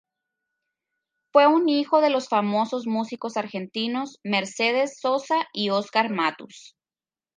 Fue hijo de los famosos músicos argentinos Mercedes Sosa y Oscar Matus.